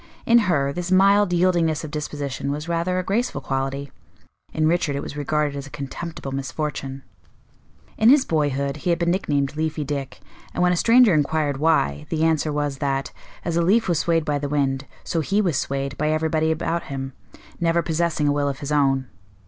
In her, this mild yieldingness of disposition was rather a graceful quality; in Richard it was regarded as a contemptible misfortune. In his boyhood he had been nicknamed Leafy Dick, and when a stranger inquired why, the answer was that, as a leaf was swayed by the wind, so he was swayed by everybody about him, never possessing a will of his own.